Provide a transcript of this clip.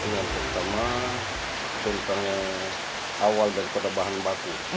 yang pertama contohnya awal daripada bahan baku